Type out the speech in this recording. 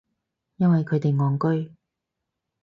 因為佢哋戇居